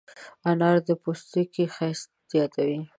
انار د پوستکي ښایست زیاتوي.